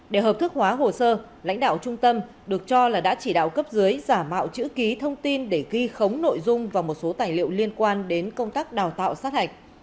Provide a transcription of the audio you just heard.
để hợp thức hóa hồ sơ lãnh đạo trung tâm được cho là đã chỉ đạo cấp dưới giả mạo chữ ký thông tin để ghi khống nội dung và một số tài liệu liên quan đến công tác đào tạo sát hạch